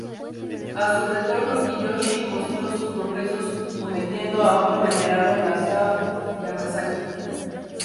A su retorno, Kiyoshi mostró sus progresos sometiendo a otro veterano, Kazuo Yamazaki.